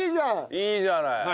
いいじゃない。